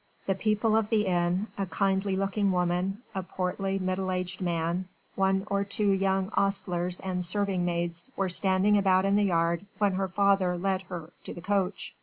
The people of the inn a kindly looking woman, a portly middle aged man, one or two young ostlers and serving maids were standing about in the yard when her father led her to the coach.